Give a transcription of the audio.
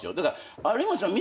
有村さん